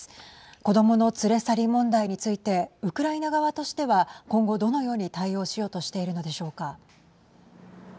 子どもの連れ去り問題についてウクライナ側としては今後どのように対応しようとしているのでしょうか。